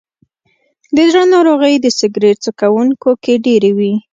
د زړه ناروغۍ د سګرټ څکونکو کې ډېرې وي.